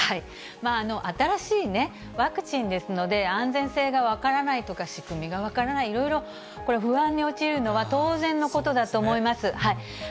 新しいね、ワクチンですので、安全性が分からないとか、仕組みが分からない、いろいろこれ、不安に陥るのは当然のことだと思います。